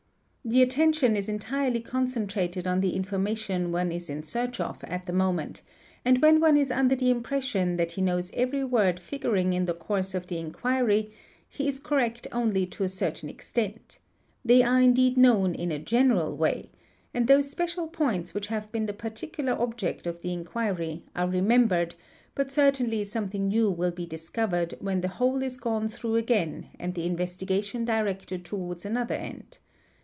The attention is entirely concentrated on — the information one is in search of at the moment, and when one is under the impression that he knows every word figuring in the course of | the inquiry he is correct only to a certain extent; they are indeed known in a general way, and those special points which have been the particular object of the inquiry are remembered, but certainly something new will be discovered when the whole is gone through again and the investiga tion directed towards another end.